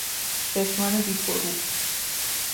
چشمان بیفروغ